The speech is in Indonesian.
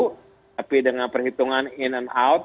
tapi dengan perhitungan in and out